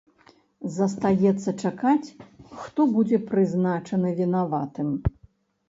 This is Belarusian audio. Застаецца чакаць, хто будзе прызначаны вінаватым.